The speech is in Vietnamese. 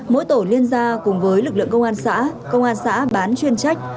mỗi tổ liên gia cùng với lực lượng công an xã công an xã bán chuyên trách